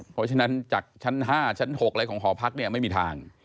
เพราะฉะนั้นจากชั้น๕ชั้น๖อะไรของหอพักเนี่ยไม่มีทาง